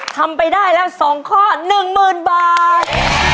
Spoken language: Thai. ทำไปได้แล้ว๒ข้อ๑๐๐๐บาท